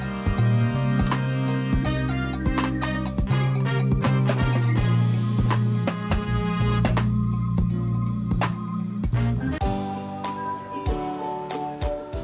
musik dan musik